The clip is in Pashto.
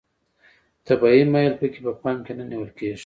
طبیعي میل پکې په پام کې نه نیول کیږي.